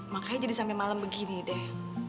makanya jadi sampe malem begini deh